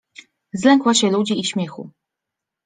Zlękła się ludzi i śmiechu.